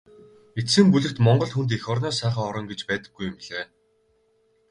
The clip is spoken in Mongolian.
Эцсийн бүлэгт Монгол хүнд эх орноос сайхан орон гэж байдаггүй юм билээ.